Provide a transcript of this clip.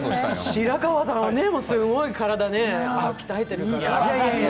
白川さんはすごい体鍛えてるから。